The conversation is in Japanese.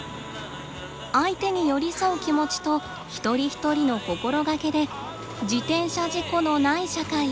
相手に寄り添う気持ちと一人一人の心がけで自転車事故のない社会へ。